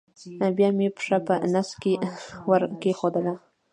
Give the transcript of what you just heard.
بیا مې پښه په نس کې ور کېښوول.